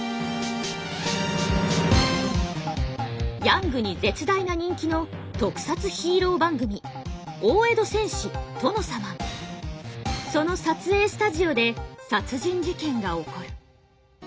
ヤングに絶大な人気の特撮ヒーロー番組その撮影スタジオで殺人事件が起こる。